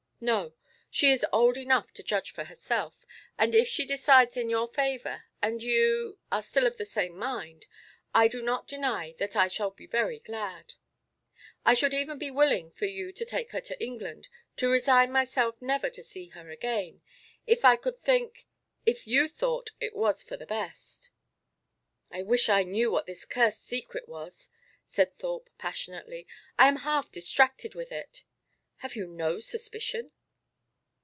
"No; she is old enough to judge for herself. And if she decides in your favour, and you are still of the same mind, I do not deny that I shall be very glad. I should even be willing for you to take her to England, to resign myself never to see her again if I could think if you thought it was for the best." "I wish I knew what this cursed secret was," said Thorpe, passionately. "I am half distracted with it." "Have you no suspicion?"